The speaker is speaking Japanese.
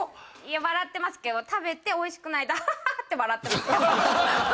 笑ってますけど食べておいしくないとアハハって笑ってますけど。